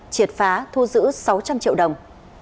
triệt phá thu giữ sáu trăm linh triệu đồng